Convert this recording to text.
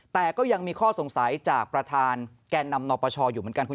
แต่ก็ยังมีข้อสงสัยจากประธานแก่นำนปชอยู่เหมือนกันคุณ